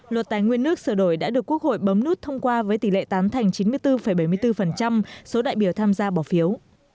luật tài nguyên nước sửa đổi đã được quốc hội bấm nút thông qua với tỷ lệ tán thành chín mươi bốn bảy mươi bốn số đại biểu tham gia bỏ phiếu